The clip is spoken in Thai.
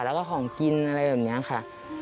แล้วก็ของกินอะไรแบบนี้ค่ะ